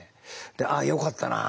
「ああよかったなあ」